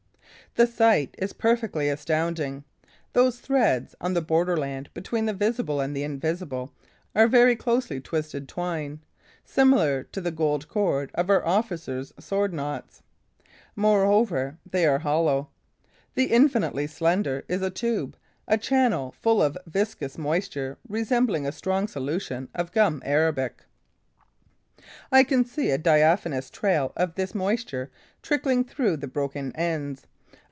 The sight is perfectly astounding. Those threads, on the borderland between the visible and the invisible, are very closely twisted twine, similar to the gold cord of our officers' sword knots. Moreover, they are hollow. The infinitely slender is a tube, a channel full of a viscous moisture resembling a strong solution of gum arabic. I can see a diaphanous trail of this moisture trickling through the broken ends.